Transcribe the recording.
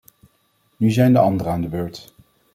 Nu zijn de anderen aan de beurt.